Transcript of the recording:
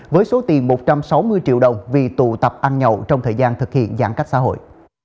với số tiền một trăm sáu mươi triệu đồng vì tụ tập ăn nhậu trong thời gian thực hiện giãn cách xã hội